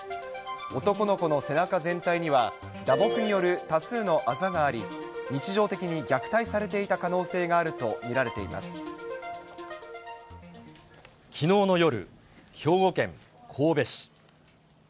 男の子の背中全体には、打撲による多数のあざがあり、日常的に虐待されていた可能性があると見らきのうの夜、兵庫県神戸市。